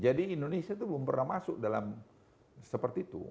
jadi indonesia itu belum pernah masuk dalam seperti itu